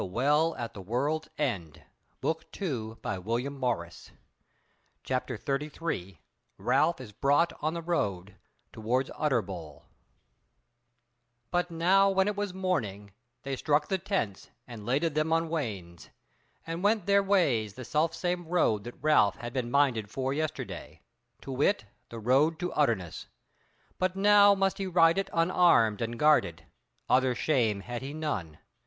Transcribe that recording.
And at the worst I scarce deem that I am being led to the slaughter. CHAPTER 33 Ralph is Brought on the Road Towards Utterbol But now when it was morning they struck the tents and laded them on wains, and went their ways the selfsame road that Ralph had been minded for yesterday; to wit the road to Utterness; but now must he ride it unarmed and guarded: other shame had he none.